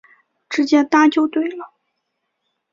直接搭就对了